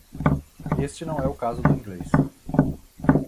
Este não é o caso do inglês.